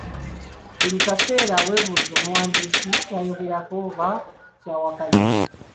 Buli kaseera weebuuze omuwandiisi ky'ayogerako oba ky'awakanya?